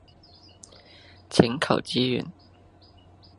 請求支援！